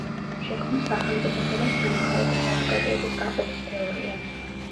შექმნა სახელმწიფოსა და სამოქალაქო საზოგადოების გაყოფის თეორია.